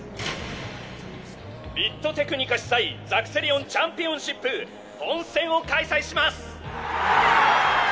ビットテクニカ主催ザクセリオン・チャンピオンシップ本戦を開催します！